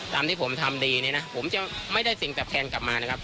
ตามที่ผมทำดีเนี่ยนะผมจะไม่ได้สิ่งตอบแทนกลับมานะครับ